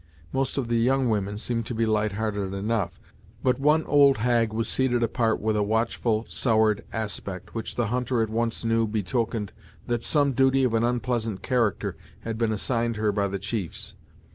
Most of the young women seemed to be light hearted enough; but one old hag was seated apart with a watchful soured aspect, which the hunter at once knew betokened that some duty of an unpleasant character had been assigned her by the chiefs.